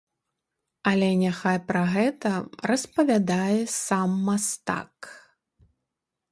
Але няхай пра гэта распавядае сам мастак.